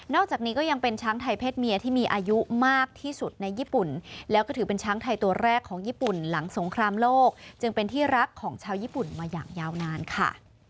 จากนี้ก็ยังเป็นช้างไทยเพศเมียที่มีอายุมากที่สุดในญี่ปุ่นแล้วก็ถือเป็นช้างไทยตัวแรกของญี่ปุ่นหลังสงครามโลกจึงเป็นที่รักของชาวญี่ปุ่นมาอย่างยาวนานค่ะ